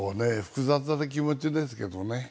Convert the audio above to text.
複雑な気持ちですけどね。